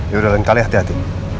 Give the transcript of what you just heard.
yaudah lain kali hati hati